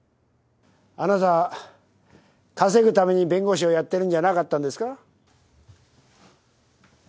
あなたは稼ぐために弁護士をやってるんじゃなかったんですか？